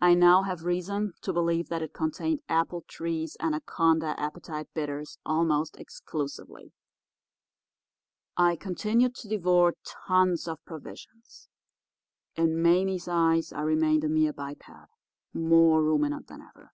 I now have reason to believe that it contained Appletree's Anaconda Appetite Bitters almost exclusively. I continued to devour tons of provisions. In Mame's eyes I remained a mere biped, more ruminant than ever.